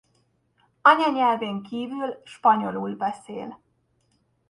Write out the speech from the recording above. Anyanyelvén kívül spanyolul beszél.